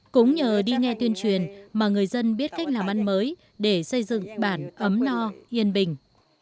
cũng nhờ đi nghe tuyên truyền mà người dân biết cách làm ăn mới để xây dựng bản ấm no yên bình